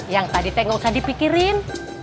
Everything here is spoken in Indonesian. yang tadi teh nggak usah dipikirin